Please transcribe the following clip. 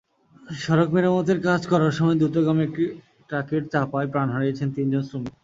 সড়ক মেরামতের কাজ করার সময় দ্রুতগামী একটি ট্রাকের চাপায় প্রাণ হারিয়েছেন তিনজন শ্রমিক।